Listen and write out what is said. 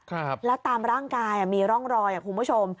แล้วตามร่างกายมีร่องรอยคุณผู้ชม